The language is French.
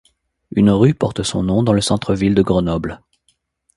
Une rue porte son nom dans le centre-ville de Grenoble.